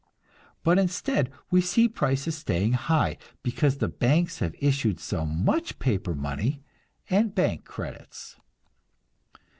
But instead we see prices staying high because the banks have issued so much paper money and bank credits.